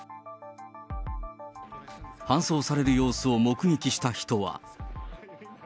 搬送される様子を目撃した人は。